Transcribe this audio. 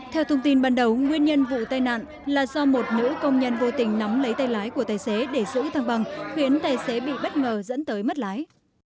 theo thông tin ban đầu nguyên nhân vụ tai nạn là do một nữ công nhân vô tình nắm lấy tay lái của tài xế để giữ thăng bằng khiến tài xế bị bất ngờ dẫn tới mất lái